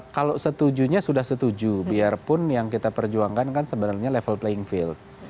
kalau setujunya sudah setuju biarpun yang kita perjuangkan kan sebenarnya level playing field